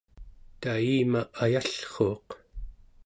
tayima ayallruuq